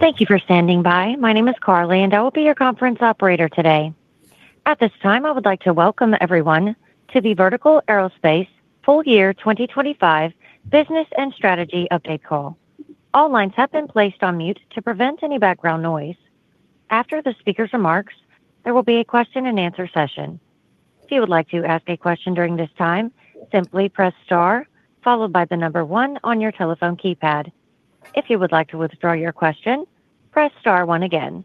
Thank you for standing by. My name is Carly, and I will be your conference operator today. At this time, I would like to welcome everyone to the Vertical Aerospace Full Year 2025 Business and Strategy Update Call. All lines have been placed on mute to prevent any background noise. After the speaker's remarks, there will be a question and answer session. If you would like to ask a question during this time, simply press star followed by the number one on your telephone keypad. If you would like to withdraw your question, press star one again.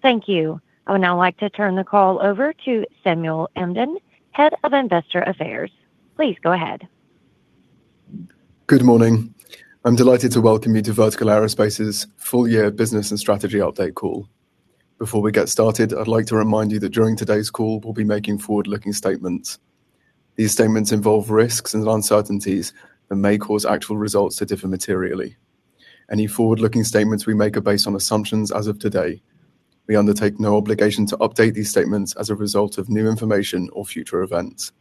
Thank you. I would now like to turn the call over to Samuel Emden, Head of Investor Affairs. Please go ahead. Good morning. I'm delighted to welcome you to Vertical Aerospace's Full Year Business and Strategy Update Call. Before we get started, I'd like to remind you that during today's call, we'll be making forward-looking statements. These statements involve risks and uncertainties and may cause actual results to differ materially. Any forward-looking statements we make are based on assumptions as of today. We undertake no obligation to update these statements as a result of new information or future events.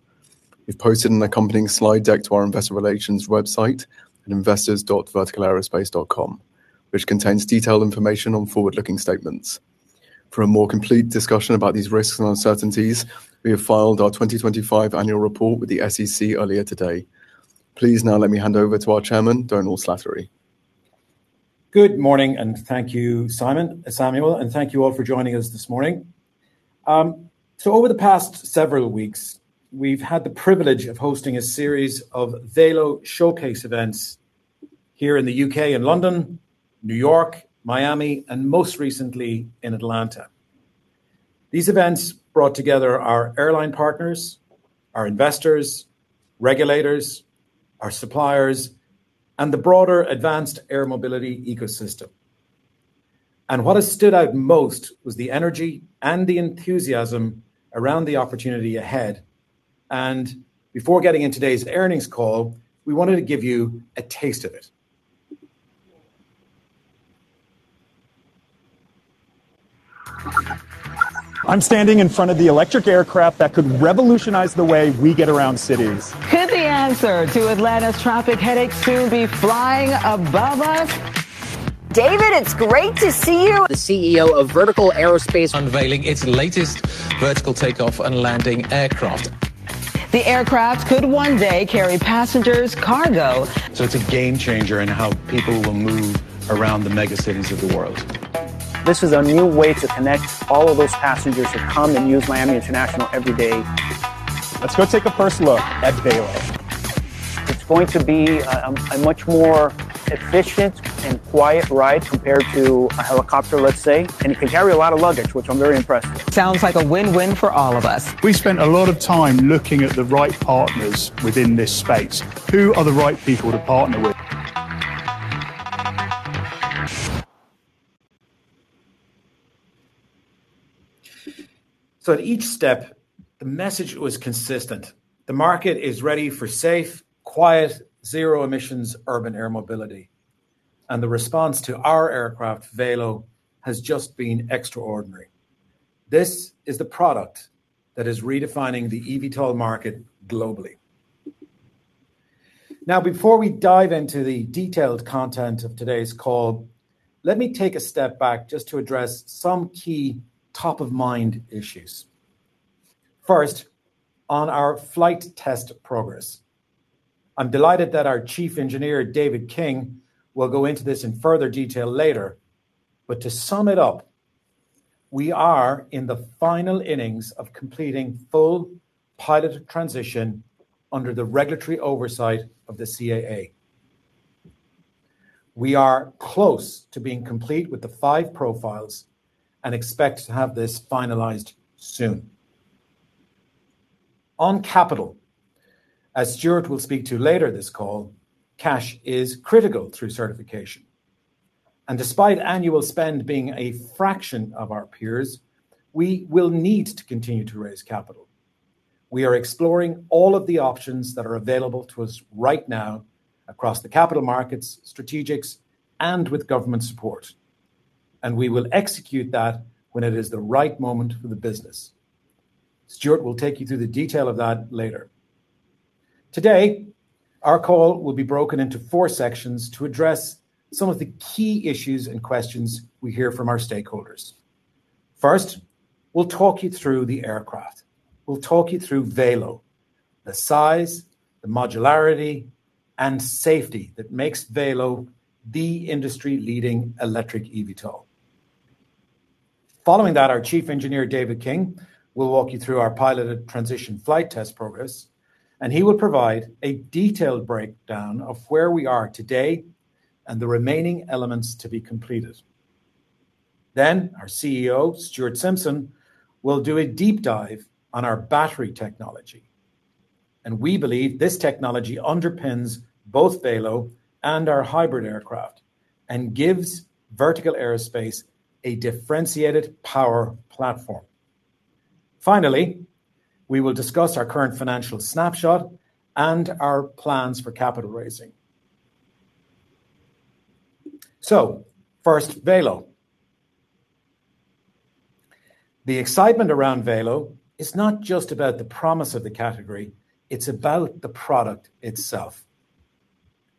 We've posted an accompanying slide deck to our investor relations website at investors.verticalaerospace.com, which contains detailed information on forward-looking statements. For a more complete discussion about these risks and uncertainties, we have filed our 2025 annual report with the SEC earlier today. Please now let me hand over to our Chairman, Dómhnal Slattery. Good morning, and thank you, Samuel, and thank you all for joining us this morning. Over the past several weeks, we've had the privilege of hosting a series of Valo showcase events here in the UK in London, New York, Miami, and most recently in Atlanta. These events brought together our airline partners, our investors, regulators, our suppliers, and the broader advanced air mobility ecosystem. What has stood out most was the energy and the enthusiasm around the opportunity ahead. Before getting in today's earnings call, we wanted to give you a taste of it. I'm standing in front of the electric aircraft that could revolutionize the way we get around cities. Could the answer to Atlanta's traffic headaches soon be flying above us? David, it's great to see you. The CEO of Vertical Aerospace- Unveiling its latest vertical take-off and landing aircraft. The aircraft could one day carry passengers, cargo. It's a game changer in how people will move around the mega cities of the world. This is a new way to connect all of those passengers that come and use Miami International every day. Let's go take a first look at Valo. It's going to be a much more efficient and quiet ride compared to a helicopter, let's say. It can carry a lot of luggage, which I'm very impressed with. Sounds like a win-win for all of us. We spent a lot of time looking at the right partners within this space. Who are the right people to partner with? At each step, the message was consistent. The market is ready for safe, quiet, zero emissions urban air mobility, and the response to our aircraft, Valo, has just been extraordinary. This is the product that is redefining the eVTOL market globally. Now, before we dive into the detailed content of today's call, let me take a step back just to address some key top-of-mind issues. First, on our flight test progress. I'm delighted that our Chief Engineer, David King, will go into this in further detail later. To sum it up, we are in the final innings of completing full pilot transition under the regulatory oversight of the CAA. We are close to being complete with the five profiles and expect to have this finalized soon. On capital, as Stuart will speak to later this call, cash is critical through certification. Despite annual spend being a fraction of our peers, we will need to continue to raise capital. We are exploring all of the options that are available to us right now across the capital markets, strategics, and with government support. We will execute that when it is the right moment for the business. Stuart will take you through the detail of that later. Today, our call will be broken into four sections to address some of the key issues and questions we hear from our stakeholders. First, we'll talk you through the aircraft. We'll talk you through Valo, the size, the modularity, and safety that makes Valo the industry-leading electric EVTOL. Following that, our Chief Engineer, David King, will walk you through our piloted transition flight test progress, and he will provide a detailed breakdown of where we are today and the remaining elements to be completed. Our CEO, Stuart Simpson, will do a deep dive on our battery technology, and we believe this technology underpins both Valo and our hybrid aircraft and gives Vertical Aerospace a differentiated power platform. Finally, we will discuss our current financial snapshot and our plans for capital raising. First, Valo. The excitement around Valo is not just about the promise of the category, it's about the product itself.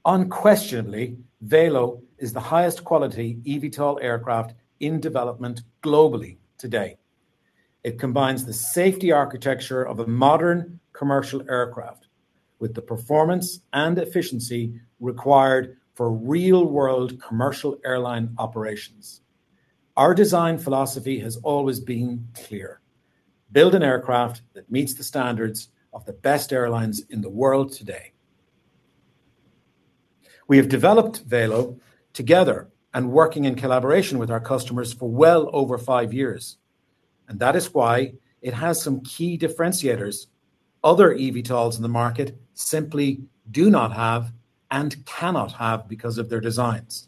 Unquestionably, Valo is the highest quality EVTOL aircraft in development globally today. It combines the safety architecture of a modern commercial aircraft with the performance and efficiency required for real-world commercial airline operations. Our design philosophy has always been clear. Build an aircraft that meets the standards of the best airlines in the world today. We have developed Valo together and working in collaboration with our customers for well over five years, and that is why it has some key differentiators other eVTOLs in the market simply do not have and cannot have because of their designs.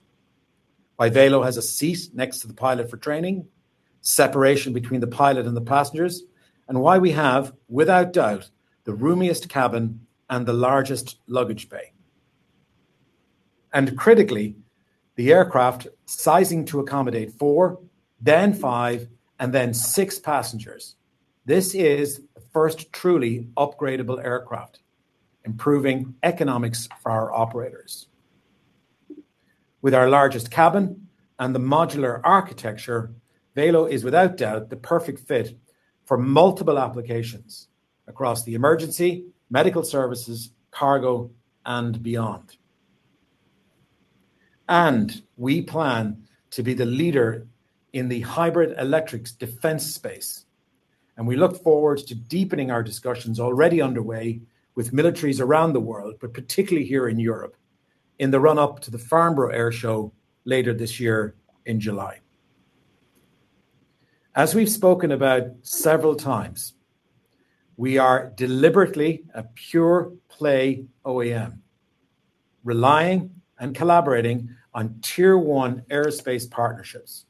Why Valo has a seat next to the pilot for training, separation between the pilot and the passengers, and why we have, without doubt, the roomiest cabin and the largest luggage bay. Critically, the aircraft sizing to accommodate four, then five, and then six passengers. This is the first truly upgradable aircraft, improving economics for our operators. With our largest cabin and the modular architecture, Valo is without doubt the perfect fit for multiple applications across the emergency, medical services, cargo, and beyond. We plan to be the leader in the hybrid electrics defense space, and we look forward to deepening our discussions already underway with militaries around the world, but particularly here in Europe, in the run-up to the Farnborough Airshow later this year in July. As we've spoken about several times, we are deliberately a pure play OEM, relying and collaborating on tier one aerospace partnerships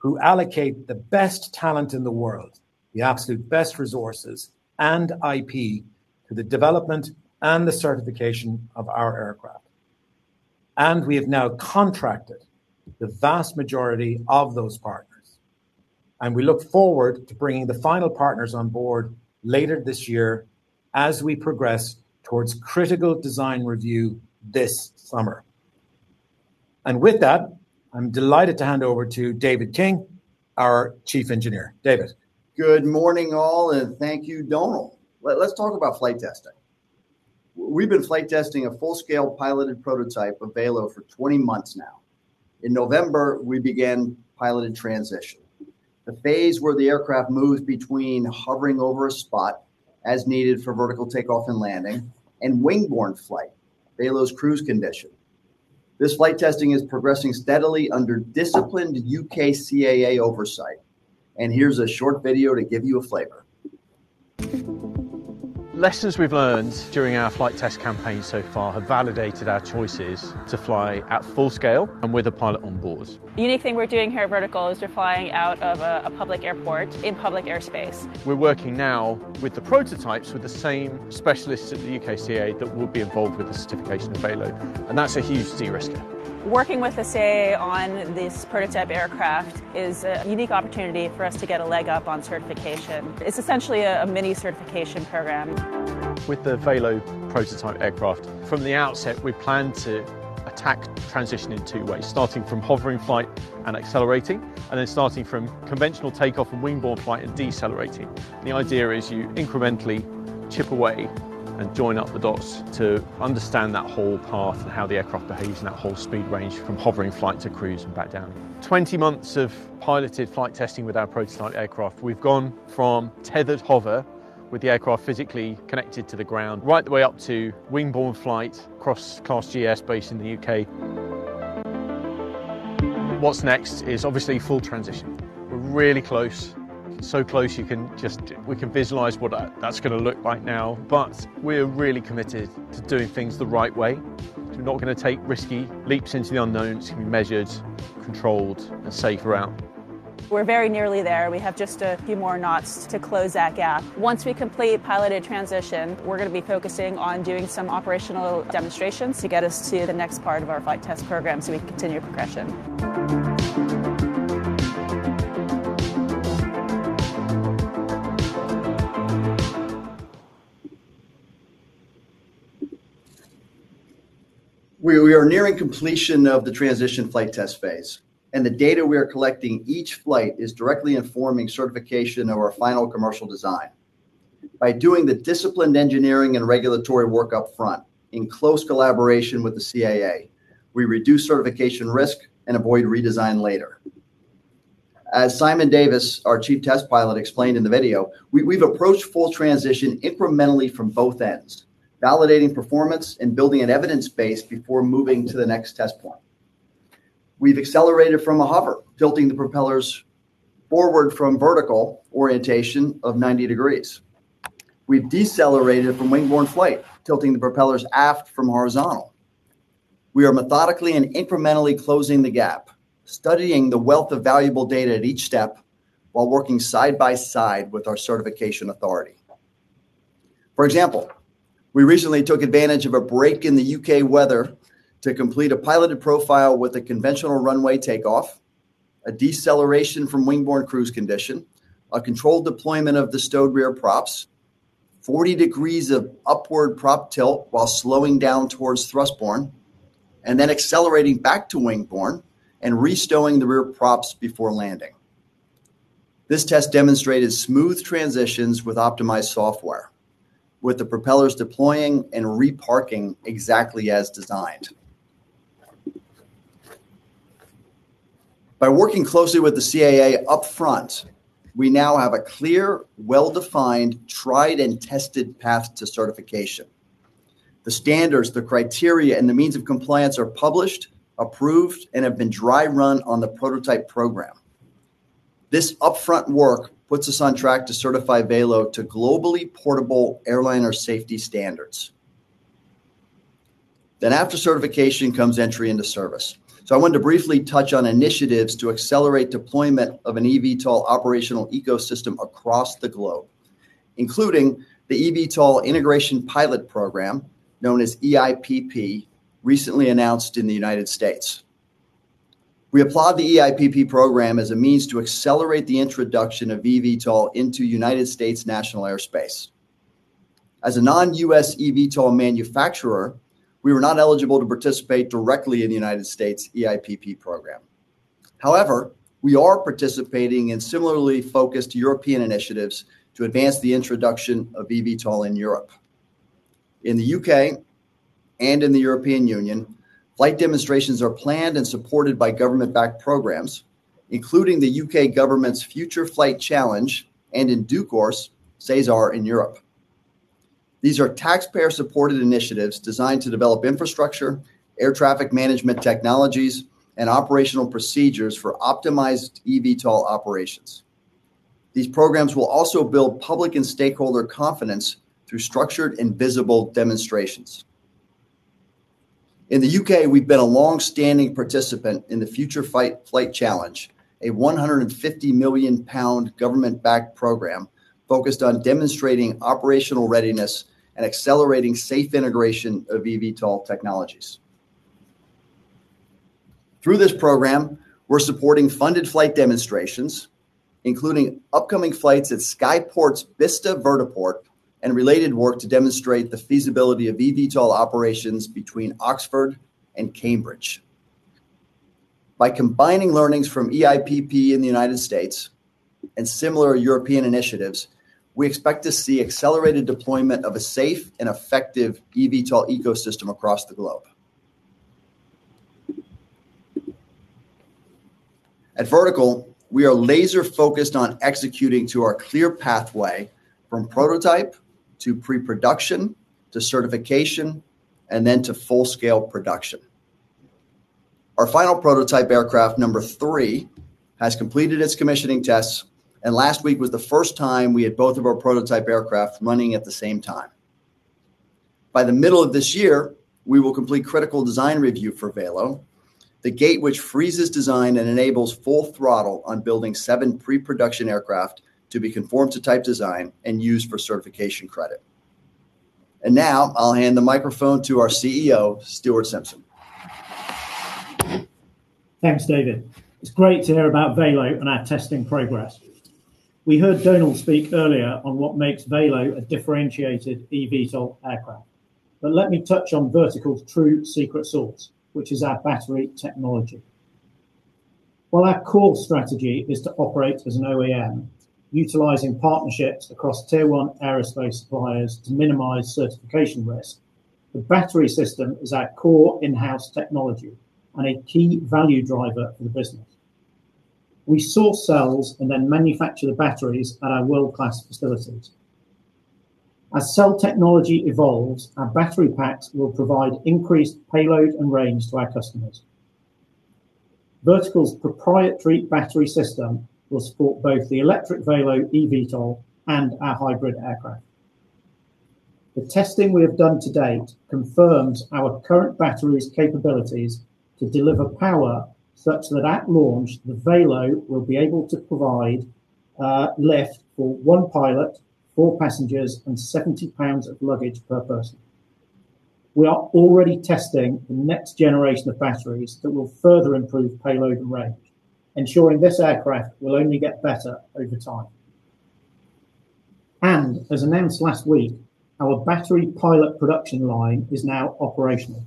who allocate the best talent in the world, the absolute best resources and IP to the development and the certification of our aircraft. We have now contracted the vast majority of those partners, and we look forward to bringing the final partners on board later this year as we progress towards critical design review this summer. With that, I'm delighted to hand over to David King, our Chief Engineer. David. Good morning, all, and thank you, Dómhnal. Let's talk about flight testing. We've been flight testing a full-scale piloted prototype of Valo for 20 months now. In November, we began piloted transition, the phase where the aircraft moves between hovering over a spot as needed for vertical takeoff and landing and wing-borne flight, Valo's cruise condition. This flight testing is progressing steadily under disciplined U.K. CAA oversight. Here's a short video to give you a flavor. Lessons we've learned during our flight test campaign so far have validated our choices to fly at full scale and with a pilot on board. The unique thing we're doing here at Vertical is we're flying out of a public airport in public airspace. We're working now with the prototypes with the same specialists at the U.K. CAA that will be involved with the certification of Valo, and that's a huge de-risker. Working with the CAA on this prototype aircraft is a unique opportunity for us to get a leg up on certification. It's essentially a mini certification program. With the Valo prototype aircraft, from the outset, we planned to attack transition in two ways, starting from hovering flight and accelerating, and then starting from conventional takeoff and wing-borne flight and decelerating. The idea is you incrementally chip away and join up the dots to understand that whole path and how the aircraft behaves in that whole speed range from hovering flight to cruise and back down. 20 months of piloted flight testing with our prototype aircraft. We've gone from tethered hover with the aircraft physically connected to the ground, right the way up to wing-borne flight across Class G airspace in the U.K. What's next is obviously full transition. We're really close. So close we can visualize what that's going to look like now, but we're really committed to doing things the right way. We're not going to take risky leaps into the unknown. It's going to be measured, controlled, and safe route. We're very nearly there. We have just a few more knots to close that gap. Once we complete piloted transition, we're going to be focusing on doing some operational demonstrations to get us to the next part of our flight test program so we can continue progression. We are nearing completion of the transition flight test phase, and the data we are collecting each flight is directly informing certification of our final commercial design. By doing the disciplined engineering and regulatory work up front in close collaboration with the CAA, we reduce certification risk and avoid redesign later. As Simon Davies, our Chief Test Pilot, explained in the video, we've approached full transition incrementally from both ends, validating performance and building an evidence base before moving to the next test point. We've accelerated from a hover, tilting the propellers forward from vertical orientation of 90 degrees. We've decelerated from wing-borne flight, tilting the propellers aft from horizontal. We are methodically and incrementally closing the gap, studying the wealth of valuable data at each step while working side by side with our certification authority. For example, we recently took advantage of a break in the U.K. weather to complete a piloted profile with a conventional runway takeoff, a deceleration from wing-borne cruise condition, a controlled deployment of the stowed rear props, 40 degrees of upward prop tilt while slowing down towards thrust borne, and then accelerating back to wing borne and restowing the rear props before landing. This test demonstrated smooth transitions with optimized software, with the propellers deploying and reparking exactly as designed. By working closely with the CAA upfront, we now have a clear, well-defined, tried and tested path to certification. The standards, the criteria, and the means of compliance are published, approved, and have been dry run on the prototype program. This upfront work puts us on track to certify Valo to globally portable airliner safety standards. After certification comes entry into service. I want to briefly touch on initiatives to accelerate deployment of an eVTOL operational ecosystem across the globe, including the eVTOL Integration Pilot Program, known as EIPP, recently announced in the United States. We applaud the EIPP program as a means to accelerate the introduction of eVTOL into United States National Airspace. As a non-US eVTOL manufacturer, we were not eligible to participate directly in the United States EIPP program. However, we are participating in similarly focused European initiatives to advance the introduction of eVTOL in Europe. In the U.K. and in the European Union, flight demonstrations are planned and supported by government-backed programs, including the U.K. government's Future Flight Challenge and in due course, SESAR in Europe. These are taxpayer-supported initiatives designed to develop infrastructure, air traffic management technologies, and operational procedures for optimized eVTOL operations. These programs will also build public and stakeholder confidence through structured and visible demonstrations. In the U.K., we've been a long-standing participant in the Future Flight Challenge, a 150 million pound government-backed program focused on demonstrating operational readiness and accelerating safe integration of eVTOL technologies. Through this program, we're supporting funded flight demonstrations, including upcoming flights at Skyports Bicester Vertiport and related work to demonstrate the feasibility of eVTOL operations between Oxford and Cambridge. By combining learnings from EIPP in the United States and similar European initiatives, we expect to see accelerated deployment of a safe and effective eVTOL ecosystem across the globe. At Vertical, we are laser-focused on executing to our clear pathway from prototype to pre-production, to certification, and then to full-scale production. Our final prototype aircraft number three has completed its commissioning tests, and last week was the first time we had both of our prototype aircraft running at the same time. By the middle of this year, we will complete critical design review for Valo, the gate which freezes design and enables full throttle on building seven pre-production aircraft to be conformed to type design and used for certification credit. Now I'll hand the microphone to our CEO, Stuart Simpson. Thanks, David. It's great to hear about Valo and our testing progress. We heard Dómhnal speak earlier on what makes Valo a differentiated eVTOL aircraft. Let me touch on Vertical's true secret sauce, which is our battery technology. While our core strategy is to operate as an OEM, utilizing partnerships across tier one aerospace suppliers to minimize certification risk, the battery system is our core in-house technology and a key value driver for the business. We source cells and then manufacture the batteries at our world-class facilities. As cell technology evolves, our battery packs will provide increased payload and range to our customers. Vertical's proprietary battery system will support both the electric Valo eVTOL and our hybrid aircraft. The testing we have done to date confirms our current battery's capabilities to deliver power such that at launch, the Valo will be able to provide lift for one pilot, four passengers, and 70 pounds of luggage per person. We are already testing the next generation of batteries that will further improve payload and range, ensuring this aircraft will only get better over time. As announced last week, our battery pilot production line is now operational.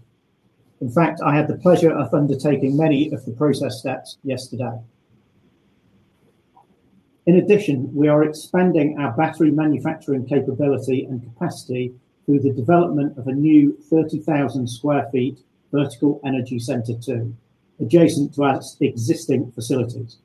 In fact, I had the pleasure of undertaking many of the process steps yesterday. In addition, we are expanding our battery manufacturing capability and capacity through the development of a new 30,000 sq ft Vertical Energy Centre 2, adjacent to our existing facilities.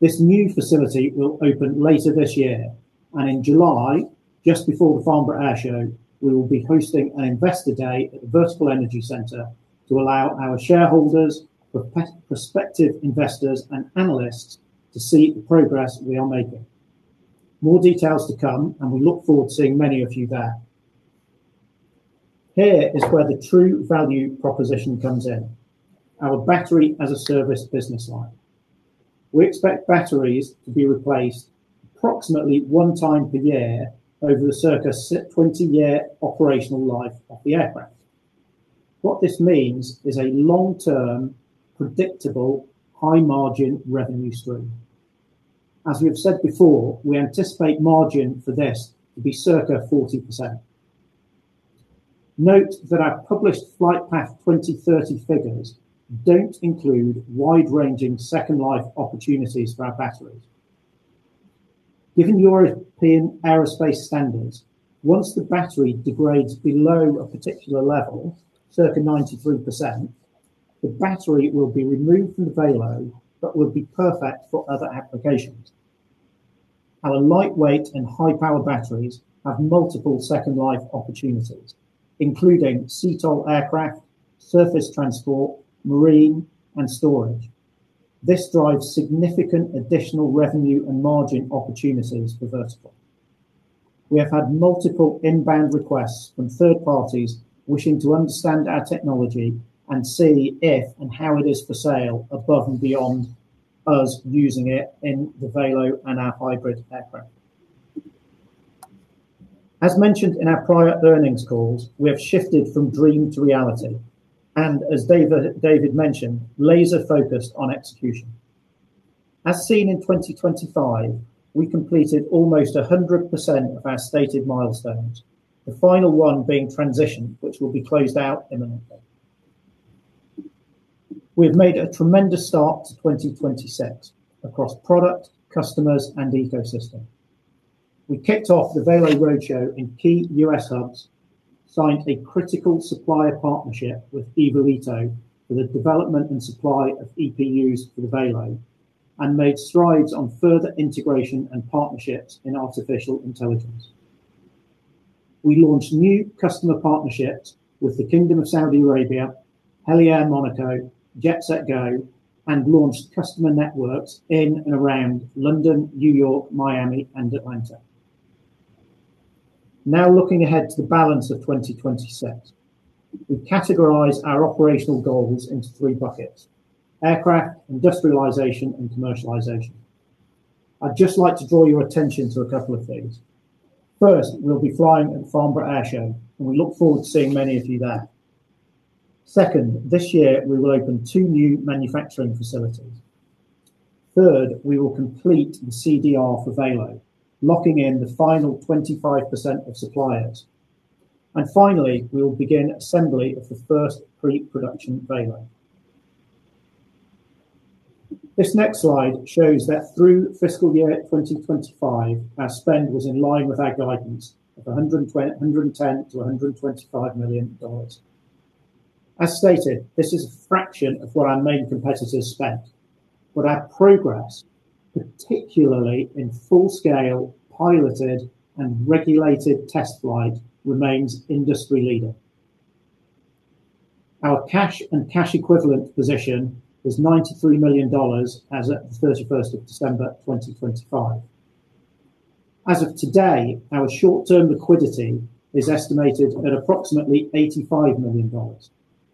This new facility will open later this year, and in July, just before the Farnborough Airshow, we will be hosting an investor day at the Vertical Energy Centre to allow our shareholders, prospective investors, and analysts to see the progress we are making. More details to come, and we look forward to seeing many of you there. Here is where the true value proposition comes in, our battery as a service business line. We expect batteries to be replaced approximately one time per year over the circa 20-year operational life of the aircraft. What this means is a long-term, predictable, high margin revenue stream. As we have said before, we anticipate margin for this to be circa 40%. Note that our published Flightpath 2030 figures don't include wide-ranging second life opportunities for our batteries. Given European Aerospace Standards, once the battery degrades below a particular level, circa 93%, the battery will be removed from the Valo but will be perfect for other applications. Our lightweight and high power batteries have multiple second life opportunities, including VTOL aircraft, surface transport, marine, and storage. This drives significant additional revenue and margin opportunities for Vertical. We have had multiple inbound requests from third parties wishing to understand our technology and see if and how it is for sale above and beyond us using it in the Valo and our hybrid aircraft. As mentioned in our prior earnings calls, we have shifted from dream to reality and as David mentioned, laser-focused on execution. As seen in 2025, we completed almost 100% of our stated milestones, the final one being transition, which will be closed out imminently. We have made a tremendous start to 2026 across product, customers, and ecosystem. We kicked off the Valo roadshow in key U.S. hubs, signed a critical supplier partnership with Evolito for the development and supply of EPUs for the Valo, and made strides on further integration and partnerships in artificial intelligence. We launched new customer partnerships with the Kingdom of Saudi Arabia, Héli Air Monaco, JetSetGo, and launched customer networks in and around London, New York, Miami and Atlanta. Now looking ahead to the balance of 2026, we've categorized our operational goals into three buckets: aircraft, industrialization, and commercialization. I'd just like to draw your attention to a couple of things. First, we'll be flying at Farnborough Airshow, and we look forward to seeing many of you there. Second, this year we will open two new manufacturing facilities. Third, we will complete the CDR for Valo, locking in the final 25% of suppliers. Finally, we will begin assembly of the first pre-production Valo. This next slide shows that through fiscal year 2025, our spend was in line with our guidance of $110 million-$125 million. As stated, this is a fraction of what our main competitors spent, but our progress, particularly in full-scale piloted and regulated test flight, remains industry-leading. Our cash and cash equivalent position was $93 million as of December 31, 2025. As of today, our short-term liquidity is estimated at approximately $85 million,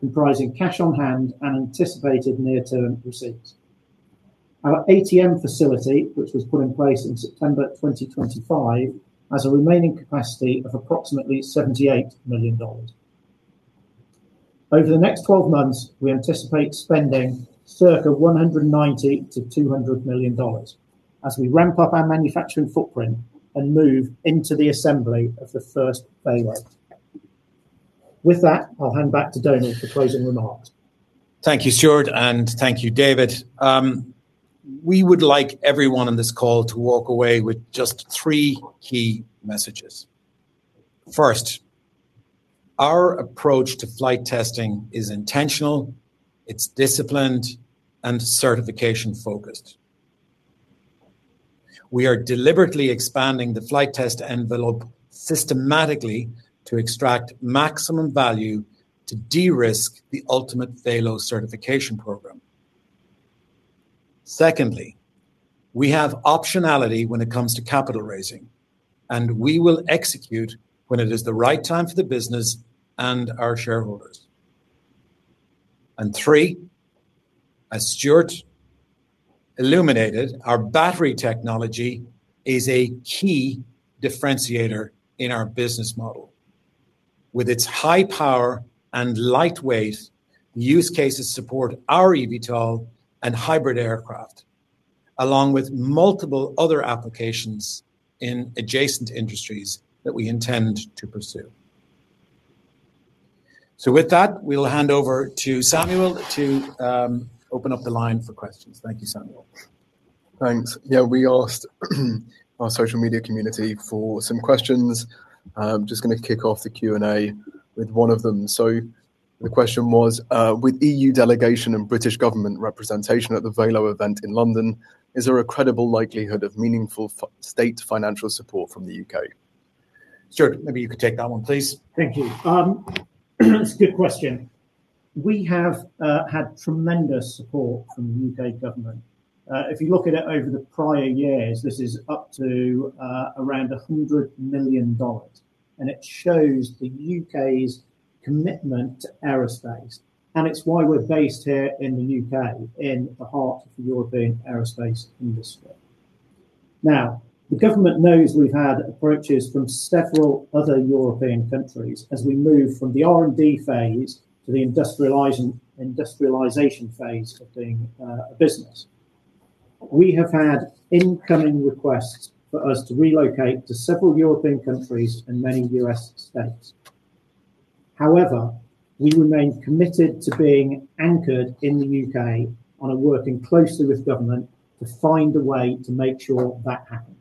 comprising cash on hand and anticipated near-term receipts. Our ATM facility, which was put in place in September 2025, has a remaining capacity of approximately $78 million. Over the next 12 months, we anticipate spending circa $190 million-$200 million as we ramp up our manufacturing footprint and move into the assembly of the first Valo. With that, I'll hand back to Dómhnal for closing remarks. Thank you, Stuart, and thank you, David. We would like everyone on this call to walk away with just three key messages. First, our approach to flight testing is intentional, it's disciplined, and certification focused. We are deliberately expanding the flight test envelope systematically to extract maximum value to de-risk the ultimate Valo certification program. Secondly, we have optionality when it comes to capital raising, and we will execute when it is the right time for the business and our shareholders. Three, as Stuart illuminated, our battery technology is a key differentiator in our business model. With its high power and light weight, use cases support our eVTOL and hybrid aircraft, along with multiple other applications in adjacent industries that we intend to pursue. With that, we'll hand over to Samuel to open up the line for questions. Thank you, Samuel. Thanks. Yeah, we asked our social media community for some questions. Just going to kick off the Q&A with one of them. The question was, with EU delegation and British government representation at the Valo event in London, is there a credible likelihood of meaningful state financial support from the UK? Stuart, maybe you could take that one, please. Thank you. It's a good question. We have had tremendous support from the U.K. government. If you look at it over the prior years, this is up to around $100 million, and it shows the U.K.'s commitment to aerospace, and it's why we're based here in the U.K., in the heart of the European aerospace industry. Now, the government knows we've had approaches from several other European countries as we move from the R&D phase to the industrialization phase of being a business. We have had incoming requests for us to relocate to several European countries and many U.S. states. However, we remain committed to being anchored in the U.K. and working closely with government to find a way to make sure that happens.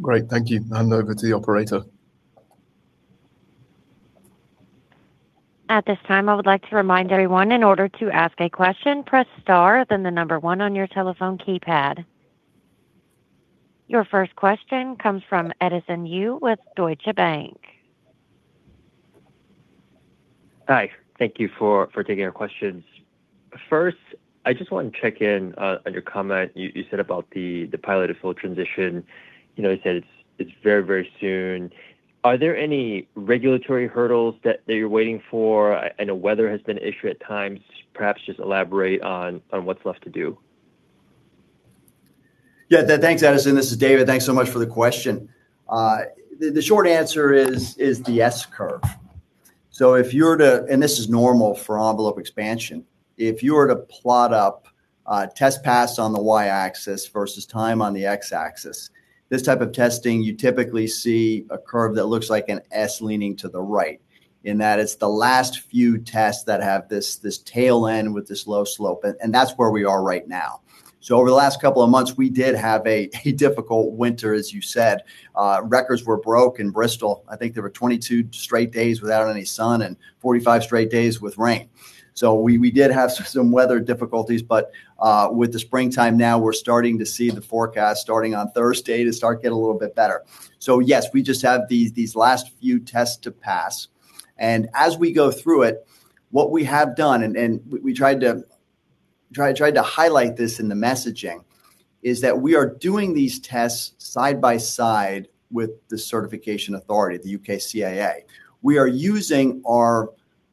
Great. Thank you. Hand over to the operator. At this time, I would like to remind everyone in order to ask a question, press star, then the number one on your telephone keypad. Your first question comes from Edison Yu with Deutsche Bank. Hi. Thank you for taking our questions. First, I just want to check in on your comment. You said about the pilot of full transition. You know, you said it's very soon. Are there any regulatory hurdles that you're waiting for? I know weather has been an issue at times. Perhaps just elaborate on what's left to do. Thanks, Edison. This is David. Thanks so much for the question. The short answer is the S-curve. This is normal for envelope expansion. If you were to plot test passes on the Y-axis versus time on the X-axis, this type of testing you typically see a curve that looks like an S leaning to the right in that it's the last few tests that have this tail end with this low slope, and that's where we are right now. Over the last couple of months, we did have a difficult winter, as you said. Records were broken in Bristol. I think there were 22 straight days without any sun and 45 straight days with rain. We did have some weather difficulties, but with the springtime now, we're starting to see the forecast starting on Thursday to start getting a little bit better. Yes, we just have these last few tests to pass. As we go through it, what we have done and we tried to highlight this in the messaging is that we are doing these tests side by side with the certification authority, the UK CAA. We are using our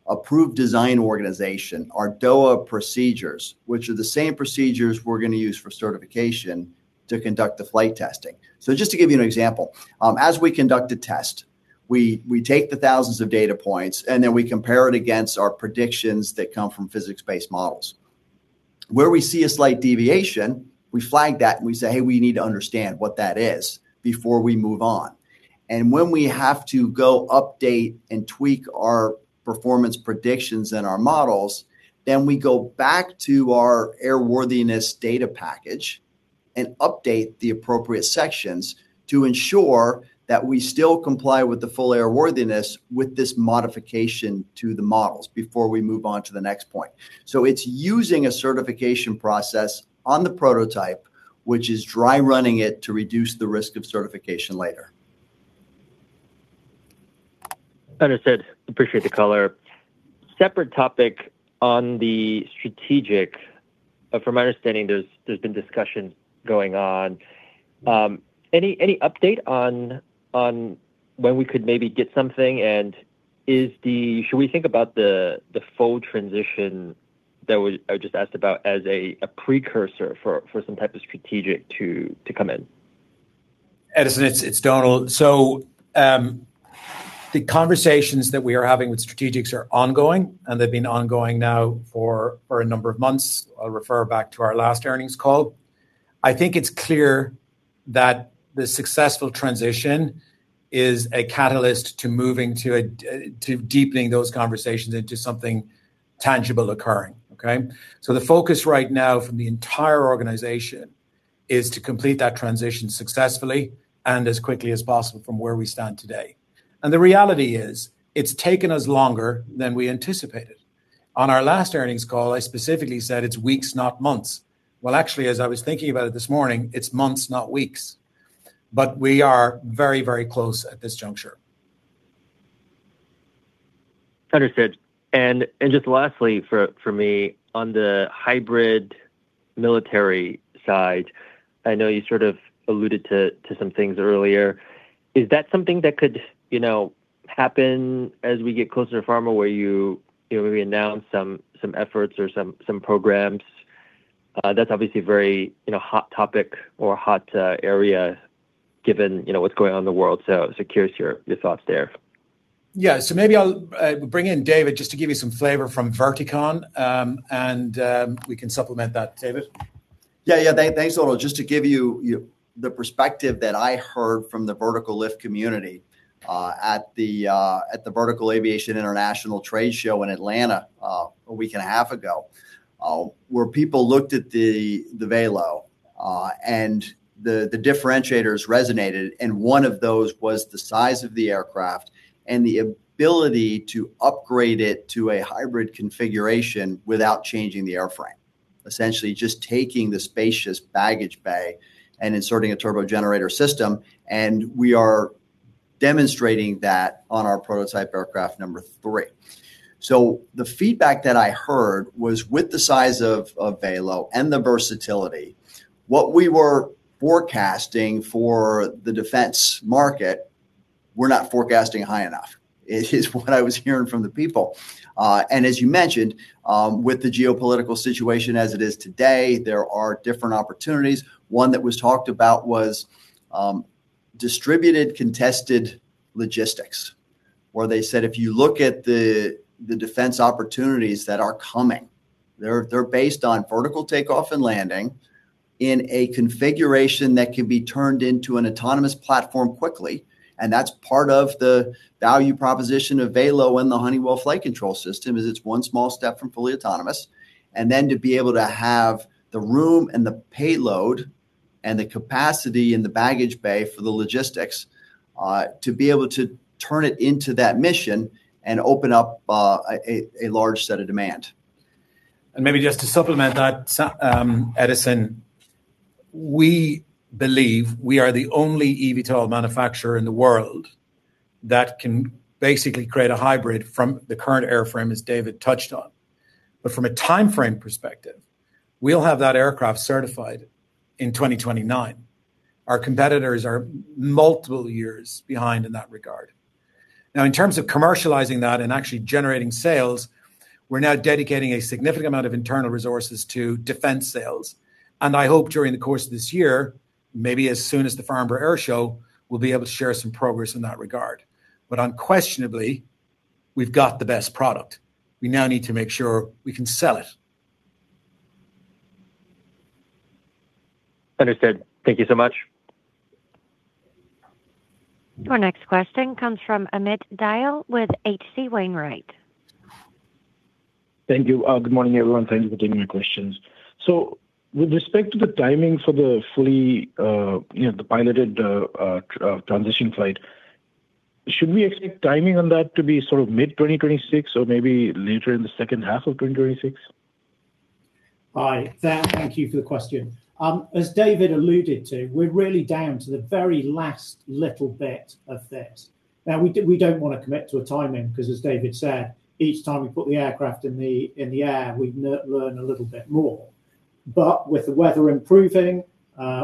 approved design organization, our DOA procedures, which are the same procedures we're going to use for certification to conduct the flight testing. Just to give you an example, as we conduct a test, we take the thousands of data points, and then we compare it against our predictions that come from physics-based models. Where we see a slight deviation, we flag that, and we say, "Hey, we need to understand what that is before we move on." When we have to go update and tweak our performance predictions and our models, then we go back to our airworthiness data package and update the appropriate sections to ensure that we still comply with the full airworthiness with this modification to the models before we move on to the next point. It's using a certification process on the prototype, which is dry running it to reduce the risk of certification later. Understood. Appreciate the color. Separate topic on the strategic. From my understanding, there's been discussion going on. Any update on when we could maybe get something? Should we think about the full transition I just asked about as a precursor for some type of strategic to come in? Edison, it's Dómhnal. The conversations that we are having with strategics are ongoing, and they've been ongoing now for a number of months. I'll refer back to our last earnings call. I think it's clear that the successful transition is a catalyst to moving to deepening those conversations into something tangible occurring, okay? The focus right now from the entire organization is to complete that transition successfully and as quickly as possible from where we stand today. The reality is it's taken us longer than we anticipated. On our last earnings call, I specifically said it's weeks, not months. Well, actually, as I was thinking about it this morning, it's months, not weeks. We are very, very close at this juncture. Understood. Just lastly for me, on the hybrid military side, I know you sort of alluded to some things earlier. Is that something that could, you know, happen as we get closer and farther where you know where we announce some efforts or some programs? That's obviously very, you know, hot topic or hot area given, you know, what's going on in the world. Just curious your thoughts there. Yeah. Maybe I'll bring in David just to give you some flavor from Vertical, and we can supplement that. David? Yeah. Thanks, Dómhnal. Just to give you the perspective that I heard from the vertical lift community at the Vertical Aviation International Trade Show in Atlanta a week and a half ago, where people looked at the Valo and the differentiators resonated, and one of those was the size of the aircraft and the ability to upgrade it to a hybrid configuration without changing the airframe. Essentially just taking the spacious baggage bay and inserting a turbo generator system, and we are demonstrating that on our prototype aircraft number three. The feedback that I heard was with the size of Valo and the versatility, what we were forecasting for the defense market, we're not forecasting high enough is what I was hearing from the people. As you mentioned, with the geopolitical situation as it is today, there are different opportunities. One that was talked about was distributed contested logistics, where they said, if you look at the defense opportunities that are coming, they're based on vertical takeoff and landing in a configuration that can be turned into an autonomous platform quickly. That's part of the value proposition of Valo and the Honeywell flight control system, is it's one small step from fully autonomous. Then to be able to have the room and the payload and the capacity in the baggage bay for the logistics, to be able to turn it into that mission and open up a large set of demand. Maybe just to supplement that, Edison, we believe we are the only eVTOL manufacturer in the world that can basically create a hybrid from the current airframe, as David touched on. From a timeframe perspective, we'll have that aircraft certified in 2029. Our competitors are multiple years behind in that regard. Now, in terms of commercializing that and actually generating sales, we're now dedicating a significant amount of internal resources to defense sales. I hope during the course of this year, maybe as soon as the Farnborough Airshow, we'll be able to share some progress in that regard. Unquestionably, we've got the best product. We now need to make sure we can sell it. Understood. Thank you so much. Your next question comes from Amit Dayal with H.C. Wainwright. Thank you. Good morning, everyone. Thank you for taking my questions. With respect to the timing for the fully, you know, the piloted transition flight, should we expect timing on that to be sort of mid-2026 or maybe later in the second half of 2026? Hi. Thank you for the question. As David alluded to, we're really down to the very last little bit of this. Now, we don't want to commit to a timing because as David said, each time we put the aircraft in the air, we learn a little bit more. But with the weather improving,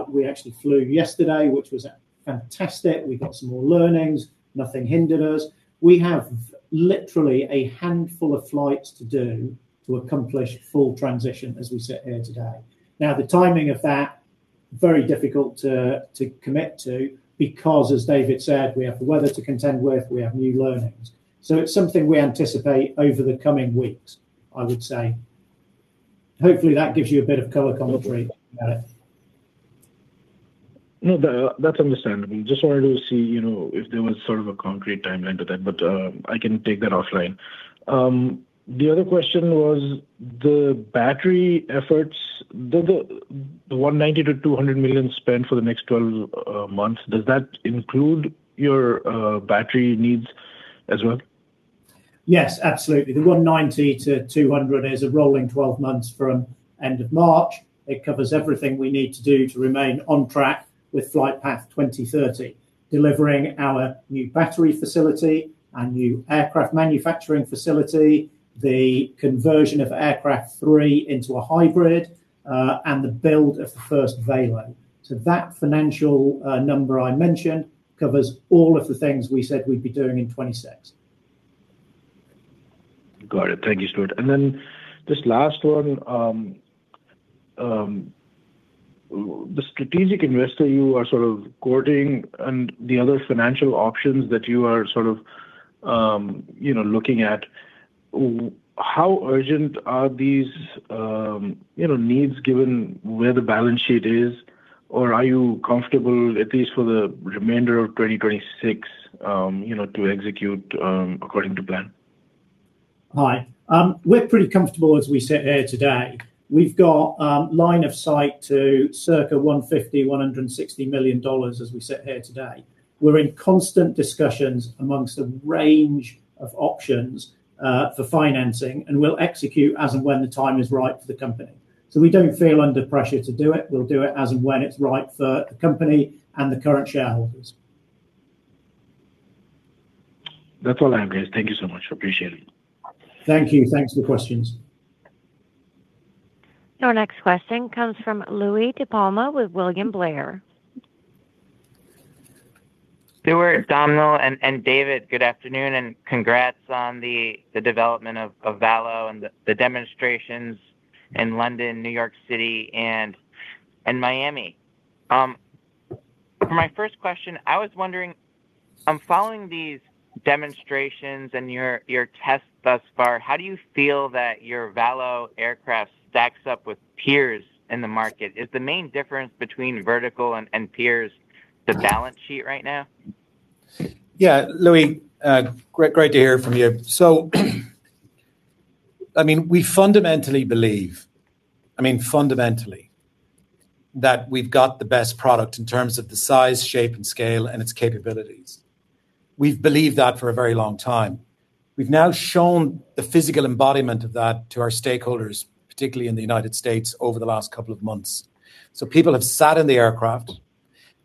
we actually flew yesterday, which was fantastic. We got some more learnings. Nothing hindered us. We have literally a handful of flights to do to accomplish full transition as we sit here today. Now, the timing of that, very difficult to commit to because as David said, we have the weather to contend with, we have new learnings. It's something we anticipate over the coming weeks, I would say. Hopefully, that gives you a bit of color commentary about it. No, that's understandable. Just wanted to see, you know, if there was sort of a concrete timeline to that, but I can take that offline. The other question was the battery efforts. Does the 190 million-200 million spend for the next twelve months include your battery needs as well? Yes, absolutely. The 190-200 is a rolling twelve months from end of March. It covers everything we need to do to remain on track with Flightpath 2030, delivering our new battery facility, our new aircraft manufacturing facility, the conversion of aircraft 3 into a hybrid, and the build of the first Valo. That financial number I mentioned covers all of the things we said we'd be doing in 2026. Got it. Thank you, Stuart. This last one, the strategic investor you are sort of courting and the other financial options that you are sort of, you know, looking at, how urgent are these, you know, needs given where the balance sheet is? Or are you comfortable, at least for the remainder of 2026, you know, to execute according to plan? Hi. We're pretty comfortable as we sit here today. We've got line of sight to circa $150 million-$160 million as we sit here today. We're in constant discussions among a range of options for financing, and we'll execute as and when the time is right for the company. We don't feel under pressure to do it. We'll do it as and when it's right for the company and the current shareholders. That's all I have, guys. Thank you so much. Appreciate it. Thank you. Thanks for the questions. Your next question comes from Louie DiPalma with William Blair. Stuart, Dómhnal, and David, good afternoon, and congrats on the development of Valo and the demonstrations in London, New York City, and Miami. For my first question, I was wondering, following these demonstrations and your tests thus far, how do you feel that your Valo aircraft stacks up with peers in the market? Is the main difference between Vertical and peers the balance sheet right now? Yeah. Louie, great to hear from you. I mean, we fundamentally believe that we've got the best product in terms of the size, shape, and scale, and its capabilities. We've believed that for a very long time. We've now shown the physical embodiment of that to our stakeholders, particularly in the United States, over the last couple of months. People have sat in the aircraft.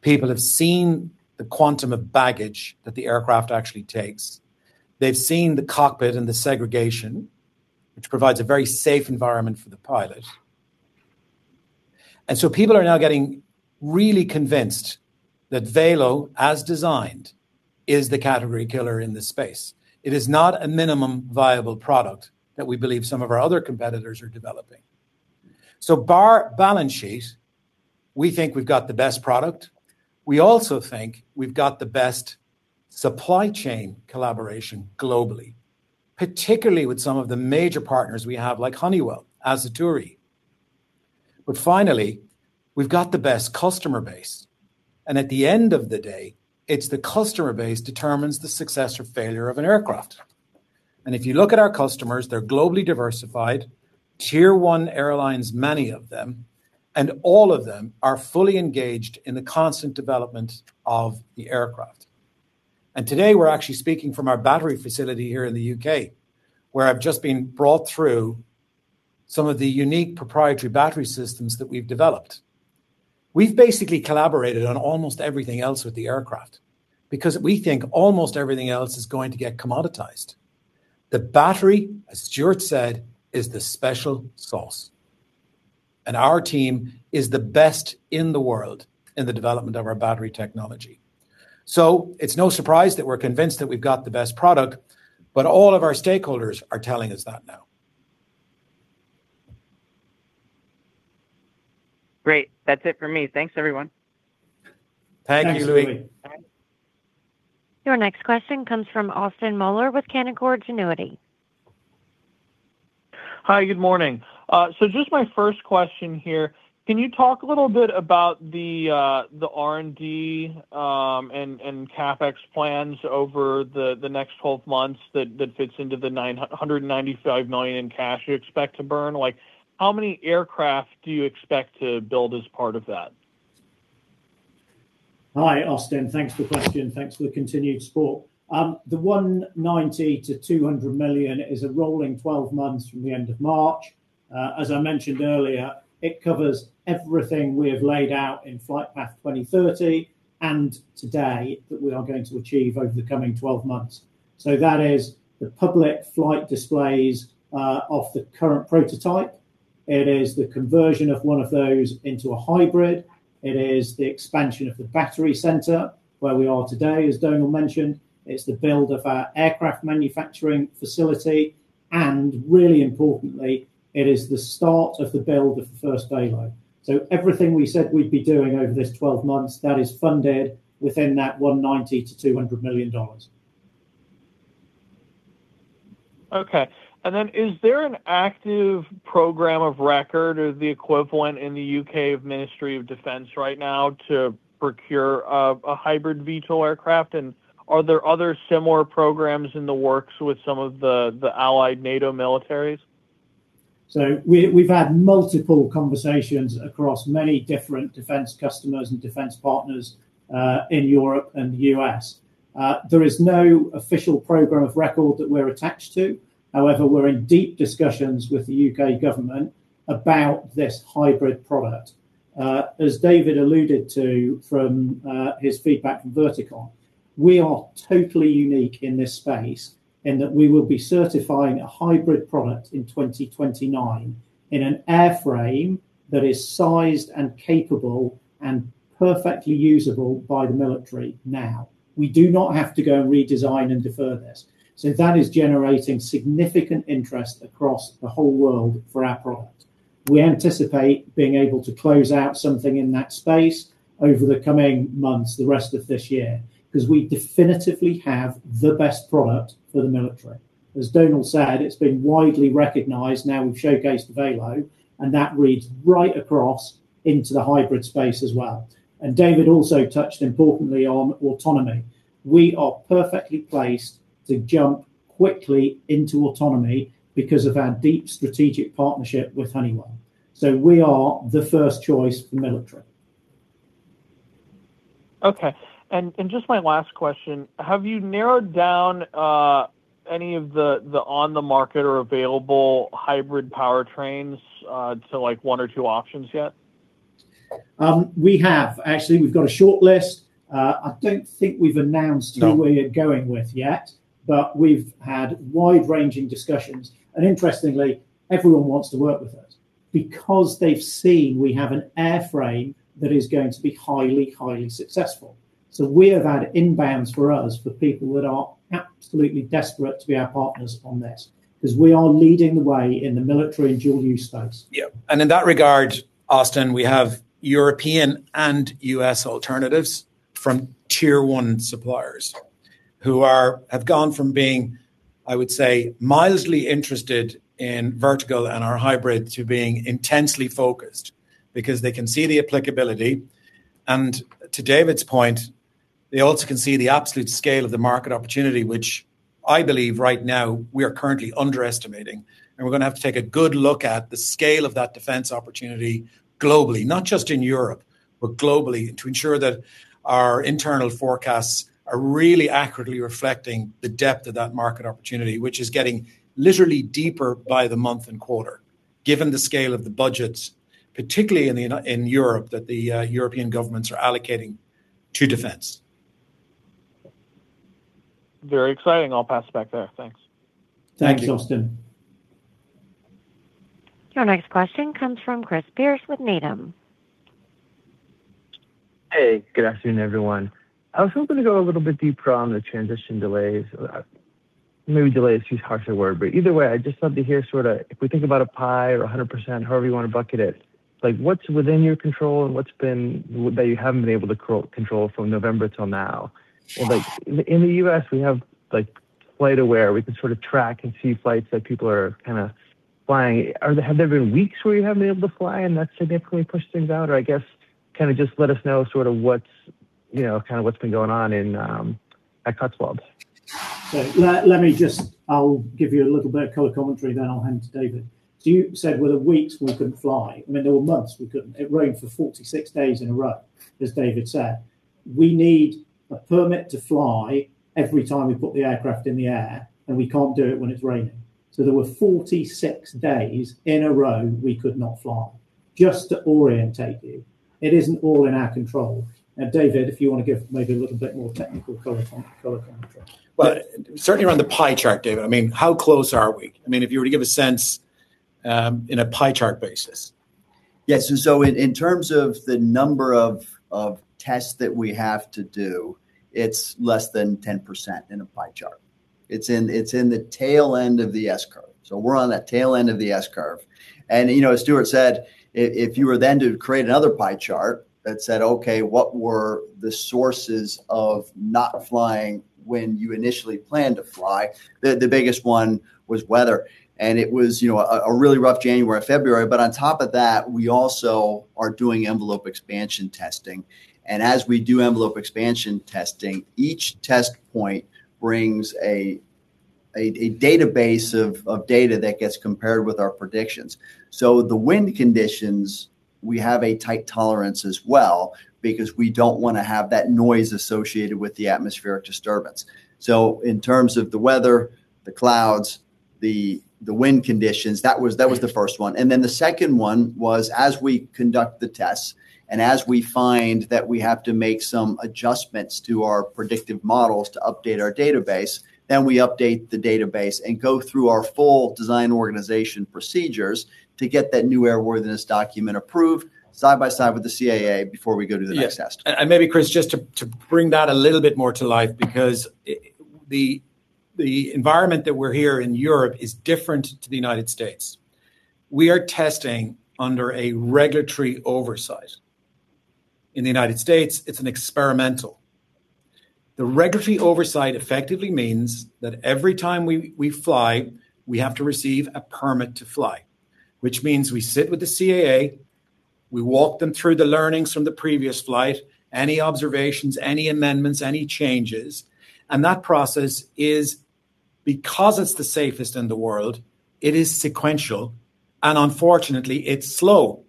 People have seen the quantum of baggage that the aircraft actually takes. They've seen the cockpit and the segregation, which provides a very safe environment for the pilot. People are now getting really convinced that Valo, as designed, is the category killer in this space. It is not a minimum viable product that we believe some of our other competitors are developing. Bar balance sheet, we think we've got the best product. We also think we've got the best supply chain collaboration globally, particularly with some of the major partners we have, like Honeywell, Aciturri. Finally, we've got the best customer base. At the end of the day, it's the customer base determines the success or failure of an aircraft. If you look at our customers, they're globally diversified, tier one airlines, many of them, and all of them are fully engaged in the constant development of the aircraft. Today, we're actually speaking from our battery facility here in the U.K., where I've just been brought through some of the unique proprietary battery systems that we've developed. We've basically collaborated on almost everything else with the aircraft because we think almost everything else is going to get commoditized. The battery, as Stuart said, is the special sauce. Our team is the best in the world in the development of our battery technology. It's no surprise that we're convinced that we've got the best product, but all of our stakeholders are telling us that now. Great. That's it for me. Thanks, everyone. Thank you, Louie. Thanks, Louis. Your next question comes from Austin Moeller with Canaccord Genuity. Hi, good morning. So just my first question here. Can you talk a little bit about the R&D and CapEx plans over the next 12 months that fits into the 995 million in cash you expect to burn? Like, how many aircraft do you expect to build as part of that? Hi, Austin. Thanks for the question. Thanks for the continued support. The $190 million-$200 million is a rolling 12 months from the end of March. As I mentioned earlier, it covers everything we have laid out in Flightpath 2030 and today that we are going to achieve over the coming 12 months. That is the public flight displays of the current prototype. It is the conversion of one of those into a hybrid. It is the expansion of the battery center where we are today, as Dómhnal mentioned. It's the build of our aircraft manufacturing facility, and really importantly, it is the start of the build of the first Valo. Everything we said we'd be doing over this 12 months, that is funded within that $190 million-$200 million. Okay. Is there an active program of record or the equivalent in the U.K. of Ministry of Defence right now to procure a hybrid VTOL aircraft? Are there other similar programs in the works with some of the allied NATO militaries? We've had multiple conversations across many different defense customers and defense partners in Europe and U.S. There is no official program of record that we're attached to. However, we're in deep discussions with the U.K. government about this hybrid product. As David alluded to from his feedback from Vertical, we are totally unique in this space in that we will be certifying a hybrid product in 2029 in an airframe that is sized and capable and perfectly usable by the military now. We do not have to go and redesign and defer this. That is generating significant interest across the whole world for our product. We anticipate being able to close out something in that space over the coming months, the rest of this year, because we definitively have the best product for the military. As Dómhnal said, it's been widely recognized now we've showcased Valo, and that reads right across into the hybrid space as well. David also touched importantly on autonomy. We are perfectly placed to jump quickly into autonomy because of our deep strategic partnership with Honeywell. We are the first choice for military. Okay. Just my last question, have you narrowed down any of the on the market or available hybrid powertrains to like one or two options yet? Actually, we've got a short list. I don't think we've announced who we're going with yet, but we've had wide-ranging discussions. Interestingly, everyone wants to work with us because they've seen we have an airframe that is going to be highly successful. We have had inbounds for us for people that are absolutely desperate to be our partners on this because we are leading the way in the military and dual-use space. Yeah. In that regard, Austin, we have European and U.S. alternatives from tier one suppliers who have gone from being, I would say, mildly interested in Vertical and our hybrid to being intensely focused because they can see the applicability. To David's point, they also can see the absolute scale of the market opportunity, which I believe right now we are currently underestimating, and we're going to have to take a good look at the scale of that defense opportunity globally, not just in Europe, but globally, to ensure that our internal forecasts are really accurately reflecting the depth of that market opportunity, which is getting literally deeper by the month and quarter, given the scale of the budgets, particularly in Europe, that the European governments are allocating to defense. Very exciting. I'll pass it back there. Thanks. Thank you. Thanks, Austin. Your next question comes from Chris Pierce with Needham. Hey, good afternoon, everyone. I was hoping to go a little bit deeper on the transition delays. Maybe delay is too harsh a word, but either way, I'd just love to hear sorta if we think about a pie or a hundred percent, however you want to bucket it, like, what's within your control and what's been that you haven't been able to control from November till now? Like, in the US, we have, like, FlightAware, we can sort of track and see flights that people are kind of flying. Have there been weeks where you haven't been able to fly, and that's significantly pushed things out? Or I guess kind of just let us know sort of what's, you know, kind of what's been going on in, at Cotswolds. Let me just give you a little bit of color commentary, then I'll hand to David. You said were there weeks we couldn't fly. I mean, there were months we couldn't. It rained for 46 days in a row, as David said. We need a permit to fly every time we put the aircraft in the air, and we can't do it when it's raining. There were 46 days in a row we could not fly, just to orientate you. It isn't all in our control. Now, David, if you want to give maybe a little bit more technical color commentary. Well, certainly around the pie chart, David. I mean, how close are we? I mean, if you were to give a sense, in a pie chart basis. Yes, in terms of the number of tests that we have to do, it's less than 10% in a pie chart. It's in the tail end of the S-curve. We're on that tail end of the S-curve. You know, as Stuart said, if you were then to create another pie chart that said, okay, what were the sources of not flying when you initially planned to fly? The biggest one was weather, and it was you know, a really rough January, February. On top of that, we also are doing envelope expansion testing. As we do envelope expansion testing, each test point brings a database of data that gets compared with our predictions. The wind conditions, we have a tight tolerance as well because we don't want to have that noise associated with the atmospheric disturbance. In terms of the weather, the clouds, the wind conditions, that was the first one. The second one was as we conduct the tests and as we find that we have to make some adjustments to our predictive models to update our database, then we update the database and go through our full design organization procedures to get that new airworthiness document approved side by side with the CAA before we go to the next test. Yes. Maybe, Chris, just to bring that a little bit more to life because the environment that we're here in Europe is different to the United States. We are testing under a regulatory oversight. In the United States, it's an experimental. The regulatory oversight effectively means that every time we fly, we have to receive a permit to fly, which means we sit with the CAA, we walk them through the learnings from the previous flight, any observations, any amendments, any changes, and that process is, because it's the safest in the world, it is sequential, and unfortunately, it's slow.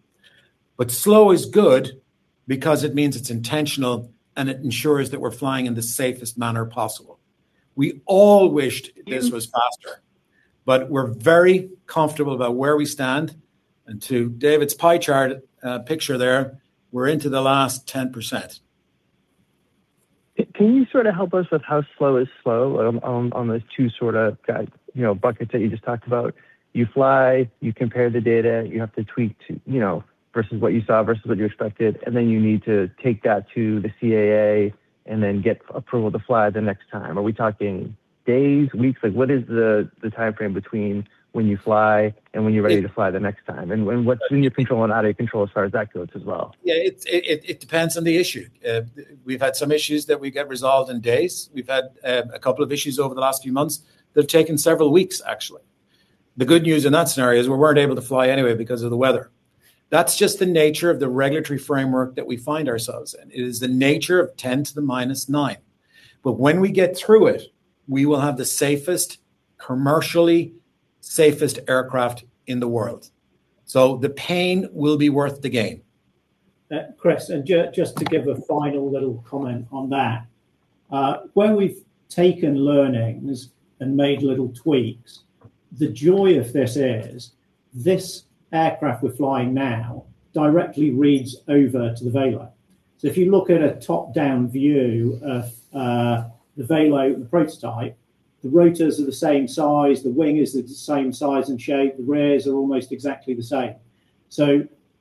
Slow is good because it means it's intentional, and it ensures that we're flying in the safest manner possible. We all wished this was faster, but we're very comfortable about where we stand. To David's pie chart, picture there, we're into the last 10%. Can you sort of help us with how slow is slow on those two sort of guidance, you know, buckets that you just talked about? You fly, you compare the data, you have to tweak to, you know, versus what you saw versus what you expected, and then you need to take that to the CAA and then get approval to fly the next time. Are we talking days, weeks? Like, what is the timeframe between when you fly and when you're ready to fly the next time? And what's in your control and out of your control as far as that goes as well? It depends on the issue. We've had some issues that we get resolved in days. We've had a couple of issues over the last few months that have taken several weeks, actually. The good news in that scenario is we weren't able to fly anyway because of the weather. That's just the nature of the regulatory framework that we find ourselves in. It is the nature of 10 to the minus nine. When we get through it, we will have the safest, commercially safest aircraft in the world. The pain will be worth the gain. Chris, just to give a final little comment on that, where we've taken learnings and made little tweaks, the joy of this is this aircraft we're flying now directly reads over to the Valo. If you look at a top-down view of the Valo prototype, the rotors are the same size, the wing is the same size and shape, the rears are almost exactly the same.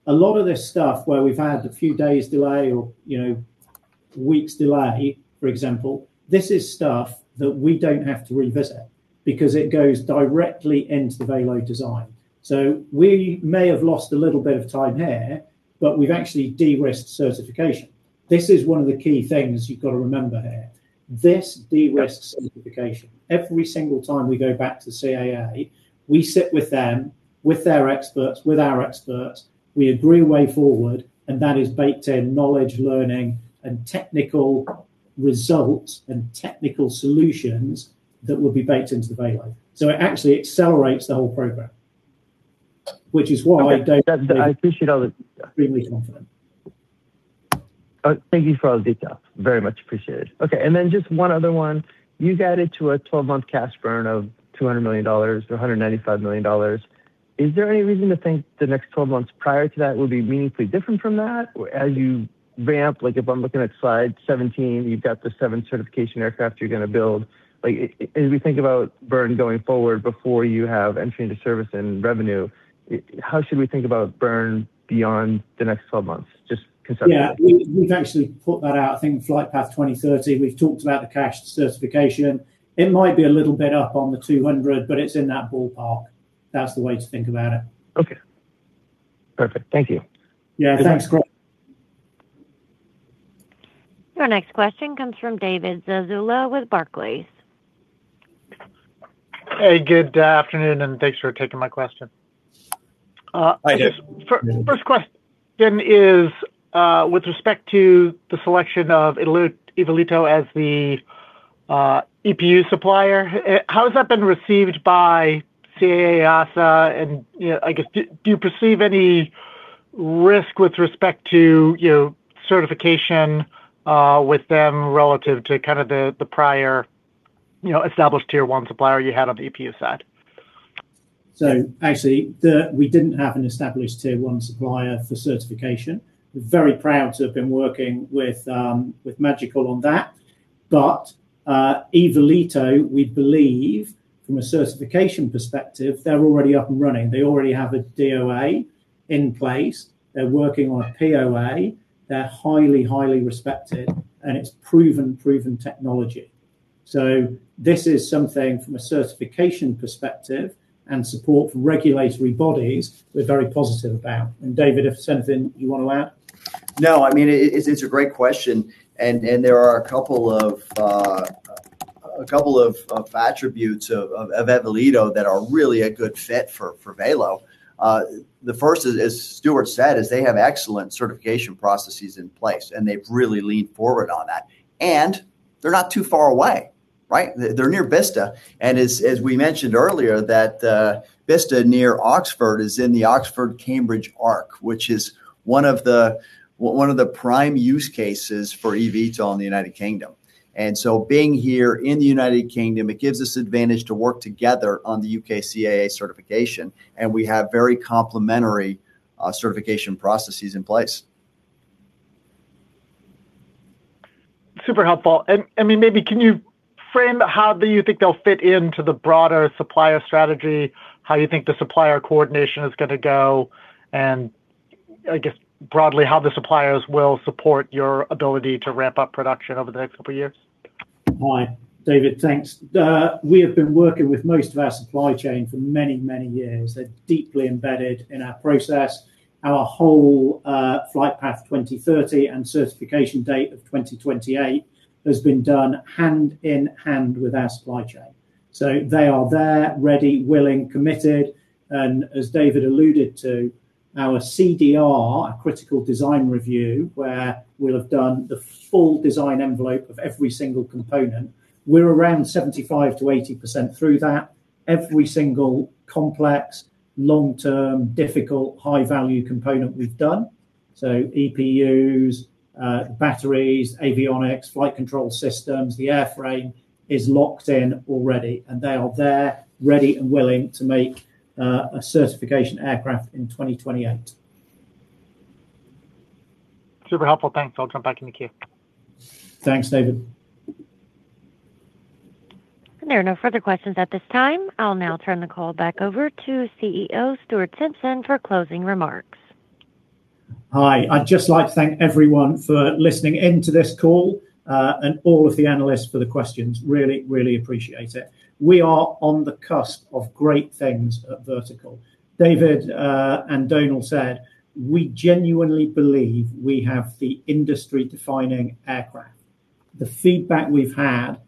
A lot of this stuff where we've had a few days delay or, you know, weeks delay, for example, this is stuff that we don't have to revisit because it goes directly into the Valo design. We may have lost a little bit of time here, but we've actually de-risked certification. This is one of the key things you've got to remember here. This de-risks certification. Every single time we go back to CAA, we sit with them, with their experts, with our experts. We agree a way forward, and that is baked in knowledge, learning, and technical results and technical solutions that will be baked into the Valo. It actually accelerates the whole program, which is why I don't. Okay. I appreciate all the Really confident. Thank you for all the detail. Very much appreciated. Okay, just one other one. You guided to a 12-month cash burn of $200 million-$195 million. Is there any reason to think the next 12 months prior to that will be meaningfully different from that? As you ramp, like if I'm looking at slide 17, you've got the seven certification aircraft you're going to build. Like, as we think about burn going forward before you have entry into service and revenue, how should we think about burn beyond the next 12 months? Just conceptually. Yeah. We've actually put that out. I think Flight Path 2030, we've talked about the cash to certification. It might be a little bit up on the 200, but it's in that ballpark. That's the way to think about it. Okay. Perfect. Thank you. Yeah. Thanks. Great. Your next question comes from David Zazula with Barclays. Hey, good afternoon, and thanks for taking my question. Hi, David. First question is, with respect to the selection of Evolito as the EPU supplier, how has that been received by CAA and EASA? You know, I guess do you perceive any risk with respect to, you know, certification with them relative to kind of the prior, you know, established tier one supplier you had on the EPU side? Actually, we didn't have an established tier one supplier for certification. We're very proud to have been working with YASA on that. Evolito, we believe from a certification perspective, they're already up and running. They already have a DOA in place. They're working on a POA. They're highly respected, and it's proven technology. This is something from a certification perspective and support from regulatory bodies we're very positive about. David, if there's anything you want to add? No, I mean, it's a great question, and there are a couple of attributes of Evolito that are really a good fit for Valo. The first is, as Stuart said, they have excellent certification processes in place, and they've really leaned forward on that. They're not too far away, right? They're near Bicester. As we mentioned earlier that Bicester near Oxford is in the Oxford-Cambridge arc, which is one of the prime use cases for Evolito in the United Kingdom. Being here in the United Kingdom, it gives us advantage to work together on the UK CAA certification, and we have very complementary certification processes in place. Super helpful. I mean, maybe can you frame how do you think they'll fit into the broader supplier strategy, how you think the supplier coordination is going to go, and I guess broadly, how the suppliers will support your ability to ramp up production over the next couple years? Hi. David, thanks. We have been working with most of our supply chain for many, many years. They're deeply embedded in our process. Our whole flight path 2030 and certification date of 2028 has been done hand in hand with our supply chain. They are there, ready, willing, committed, and as David alluded to, our CDR, our critical design review, where we'll have done the full design envelope of every single component, we're around 75%-80% through that. Every single complex, long-term, difficult, high-value component we've done. EPUs, batteries, avionics, flight control systems, the airframe is locked in already, and they are there, ready and willing to make a certification aircraft in 2028. Super helpful. Thanks. I'll jump back in the queue. Thanks, David. There are no further questions at this time. I'll now turn the call back over to CEO Stuart Simpson for closing remarks. Hi. I'd just like to thank everyone for listening in to this call and all of the analysts for the questions. Really appreciate it. We are on the cusp of great things at Vertical. David and Dómhnal said, we genuinely believe we have the industry-defining aircraft. The feedback we've had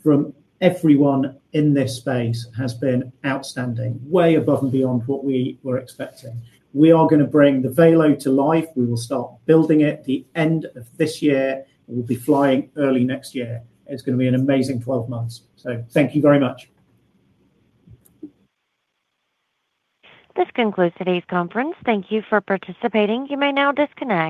from everyone in this space has been outstanding, way above and beyond what we were expecting. We are going to bring the Valo to life. We will start building it the end of this year, and we'll be flying early next year. It's going to be an amazing 12 months. Thank you very much. This concludes today's conference. Thank you for participating. You may now disconnect.